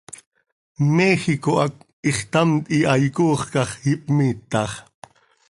Méjico hac ixtamt hihaai coox cah x ihpmiitax.